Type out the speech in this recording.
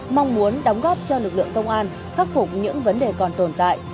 mong muốn đóng góp cho lực lượng công an khắc phục những vấn đề còn tồn tại